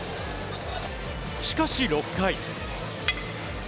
しかし６回。